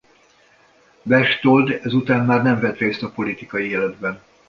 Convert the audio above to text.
Berchtold ezután már nem vett részt a politikai életben.